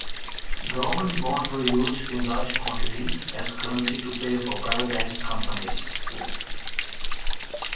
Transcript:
Government bonds were used in large quantities as currency to pay for privatized companies.